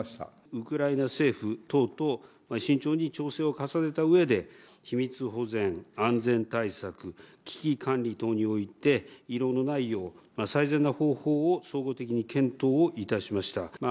ウクライナ政府等と慎重に調整を重ねたうえで、秘密保全、安全対策、危機管理等において、いろうのないよう、最善の方法を総合的に検討をいたしました。